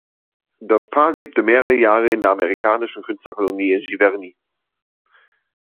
Das Paar lebte mehrere Jahre in der amerikanischen Künstlerkolonie in Giverny.